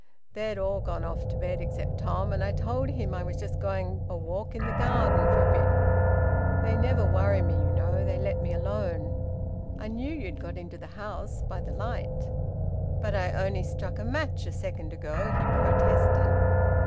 They'd all gone off to bed except Tom, and I told him I was just going a walk in the garden for a bit. They never worry me, you know. They let me alone. I knew you'd got into the house, by the light." "But I only struck a match a second ago," he protested.